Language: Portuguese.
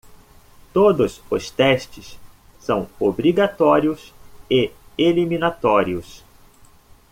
Todos os testes são obrigatórios e eliminatórios.